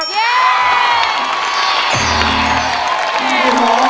เพลงที่๓นะครับ